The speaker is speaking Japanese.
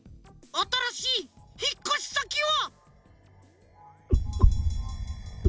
あたらしいひっこしさきは。